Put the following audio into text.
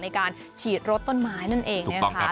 ในการฉีดรถต้นไม้นั่นเองนะคะ